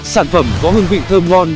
sản phẩm có hương vị thơm ngon